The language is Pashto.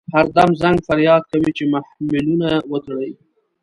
هر دم زنګ فریاد کوي چې محملونه وتړئ.